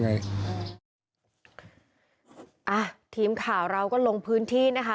อ่ะทีมข่าวเราก็ลงพื้นที่นะคะ